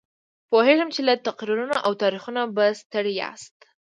پوهېږم چې له تقریرونو او تاریخونو به ستړي یاست.